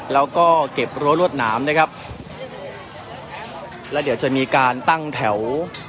แล้วก็เก็บรั้วรวดหนามนะครับแล้วเดี๋ยวจะมีการตั้งแถว